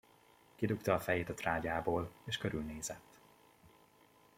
Kidugta a fejét a trágyából, és körülnézett.